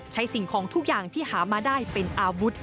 สิ่งของทุกอย่างที่หามาได้เป็นอาวุธ